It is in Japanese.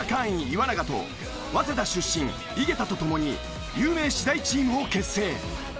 岩永と早稲田出身井桁と共に有名私大チームを結成。